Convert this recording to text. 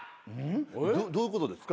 どういうことですか？